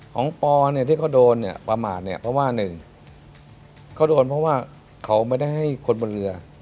ปอเนี่ยที่เขาโดนเนี่ยประมาทเนี่ยเพราะว่าหนึ่งเขาโดนเพราะว่าเขาไม่ได้ให้คนบนเรือ